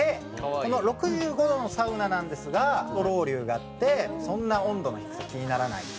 「この６５度のサウナなんですがロウリュがあってそんな温度の低さ気にならないっていう」